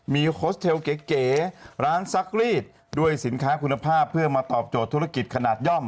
มีโฮสเทลเก๋ร้านซักรีดด้วยสินค้าคุณภาพเพื่อมาตอบโจทย์ธุรกิจขนาดย่อม